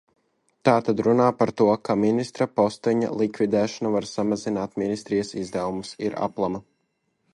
Tātad runāt par to, ka ministra posteņa likvidēšana var samazināt ministrijas izdevumus, ir aplama.